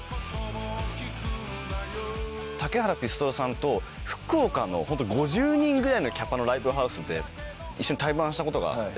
竹原ピストルさんと福岡のホント５０人ぐらいのキャパのライブハウスで一緒に対バンしたことがあって。